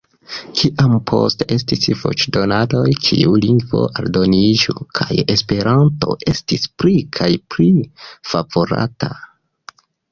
Kiam poste estis voĉdonadoj, kiu lingvo aldoniĝu, kaj Esperanto estis pli kaj pli favorata...